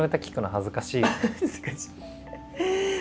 恥ずかしい。